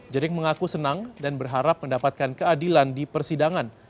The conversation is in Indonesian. jering mengaku senang dan berharap mendapatkan keadilan di persidangan